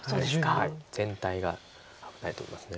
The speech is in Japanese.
全体が危ないと思います。